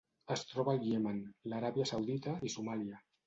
Es troba al Iemen, l'Aràbia Saudita i Somàlia.